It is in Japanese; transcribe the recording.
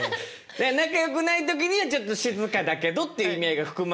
仲よくない時にはちょっと静かだけどっていう意味合いが含まれるってことだよね。